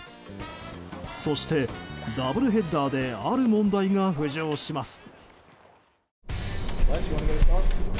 そしてダブルヘッダーである問題が浮上します。